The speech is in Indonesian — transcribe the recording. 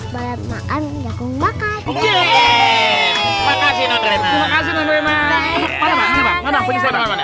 balap makan jagung bakar